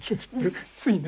ついね。